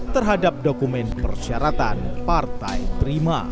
terhadap dokumen persyaratan partai prima